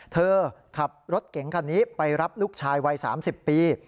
เธอขับรถเก๋งคันนี้ไปรับลูกชายวัย๓๐ปี